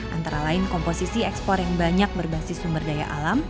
antara lain komposisi ekspor yang banyak berbasis sumber daya alam